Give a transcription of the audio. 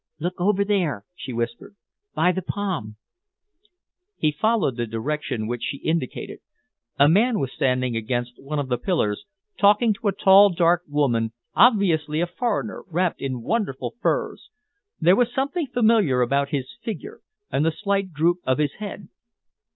"Look over there," she whispered, "by the palm." He followed the direction which she indicated. A man was standing against one of the pillars, talking to a tall, dark woman, obviously a foreigner, wrapped in wonderful furs. There was something familiar about his figure and the slight droop of his head.